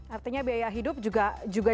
artinya biaya hidup juga